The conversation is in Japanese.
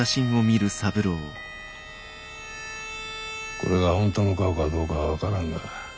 これが本当の顔かどうか分からんが。